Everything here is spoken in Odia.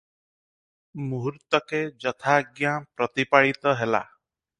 ମୁହୂର୍ତ୍ତକେ ଯଥା ଆଜ୍ଞା ପ୍ରତିପାଳିତ ହେଲା ।